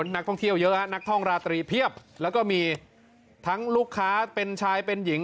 นักท่องเที่ยวเยอะฮะนักท่องราตรีเพียบแล้วก็มีทั้งลูกค้าเป็นชายเป็นหญิง